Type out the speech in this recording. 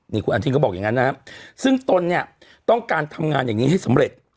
นี่คุณอนุทินก็บอกอย่างนั้นนะครับซึ่งตนเนี่ยต้องการทำงานอย่างนี้ให้สำเร็จ